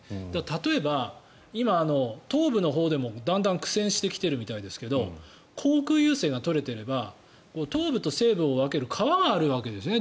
例えば、今、東部のほうでもだんだん苦戦してきているみたいですけど航空優勢が取れていれば東部と西部を分ける川があるわけですね。